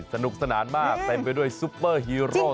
สนุกสนานมากเต็มไปด้วยซุปเปอร์ฮีโร่